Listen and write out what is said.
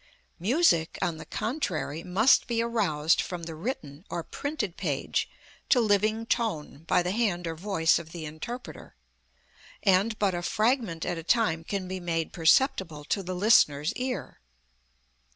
Music, on the contrary, must be aroused from the written, or printed page to living tone by the hand or voice of the interpreter, and but a fragment at a time can be made perceptible to the listener's ear.